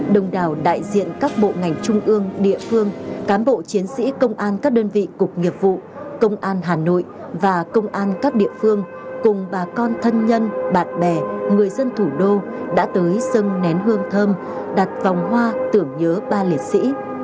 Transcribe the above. đồng đảo đại diện các bộ ngành trung ương địa phương cán bộ chiến sĩ công an các đơn vị cục nghiệp vụ công an hà nội và công an các địa phương cùng bà con thân nhân bạn bè người dân thủ đô đã tới dâng nén hương thơm đặt vòng hoa tưởng nhớ ba liệt sĩ